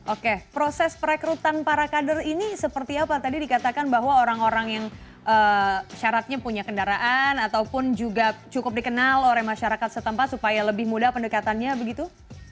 oke proses perekrutan para kader ini seperti apa tadi dikatakan bahwa orang orang yang syaratnya punya kendaraan ataupun juga cukup dikenal oleh masyarakat setempat supaya lebih mudah pendekatannya begitu